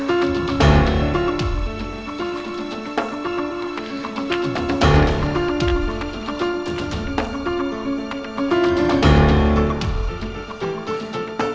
aku harus cari dia